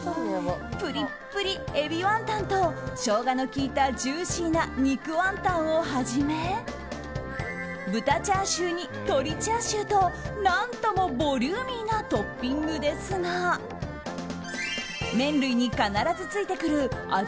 プリップリ、エビワンタンとショウガの利いたジューシーな肉ワンタンをはじめ豚チャーシューに鶏チャーシューと何ともボリューミーなトッピングですが麺類に必ずついてくる味